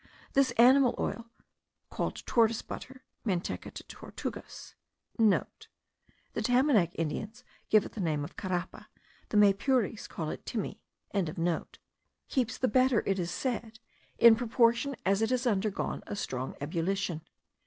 This animal oil, called tortoise butter (manteca de tortugas* (* The Tamanac Indians give it the name of carapa; the Maypures call it timi.)) keeps the better, it is said, in proportion as it has undergone a strong ebullition.